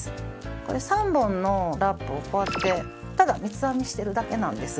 これ３本のラップをこうやってただ三つ編みしてるだけなんです。